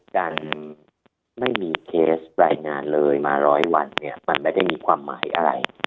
การไม่มีเคสรายงานเลยมาร้อยวันเนี่ยมันไม่ได้มีความหมายอะไร